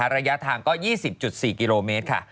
ระยะทางก็๒๐๔กิโลเมตรค่ะ